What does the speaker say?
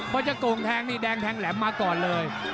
พอจะโกงแทงนี่แดงแทงแหลมมาก่อนเลย